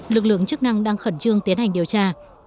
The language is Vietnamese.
lực lượng chức năng đang khẩn trương tiến hành điều tra